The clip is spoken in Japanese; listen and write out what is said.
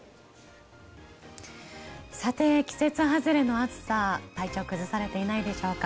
さて、季節外れの暑さで体調を崩されていないでしょうか。